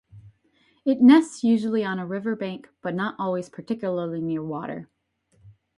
It nests usually on a river bank, but not always particularly near water.